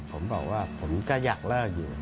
ผมบอกว่าผมก็อยากเลิกอยู่